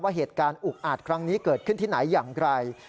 เหตุการณ์อุกอาจครั้งนี้เกิดขึ้นที่ไหนอย่างไร